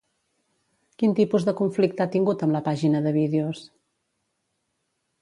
Quin tipus de conflicte ha tingut amb la pàgina de vídeos?